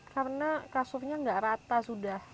karena kasurnya nggak rata sudah